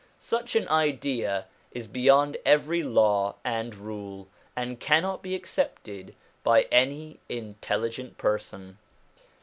Such an idea is beyond every law and rule, and cannot be accepted by any intelligent person.